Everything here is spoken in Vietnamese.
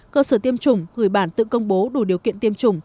cơ sở tiêm chủng gửi bản tự công bố đủ điều kiện tiêm chủng